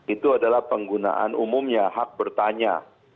itu adalah penggunaan umumnya hak bertanya